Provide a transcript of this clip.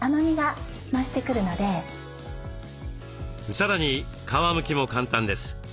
さらに皮むきも簡単です。